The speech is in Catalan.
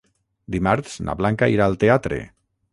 Dimarts na Blanca irà al teatre.